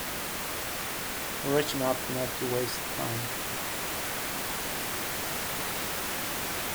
Rich enough not to waste time.